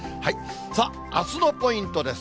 さあ、あすのポイントです。